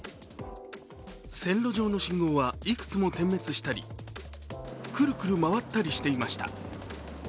線路上の信号はいくつも点滅したりくるくる回ったりしていました。